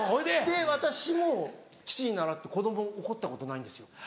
で私も父に倣って子供を怒ったことないんですよ